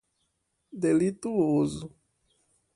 delituoso